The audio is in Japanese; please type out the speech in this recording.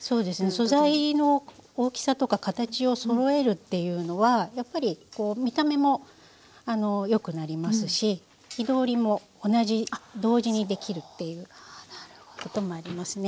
素材の大きさとか形をそろえるっていうのはやっぱり見た目も良くなりますし火通りも同じ同時にできるっていうこともありますね。